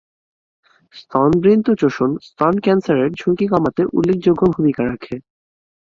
স্তনবৃন্ত-চোষণ স্তন ক্যান্সারের ঝুঁকি কমাতে উল্লেখযোগ্য ভূমিকা রাখে।